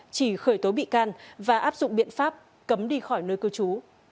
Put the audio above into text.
chỉ khởi tố bị can và áp dụng biện pháp cấm đi khỏi nơi cư trú